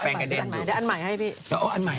เอาสีดำเขาแปลงให้หน่อย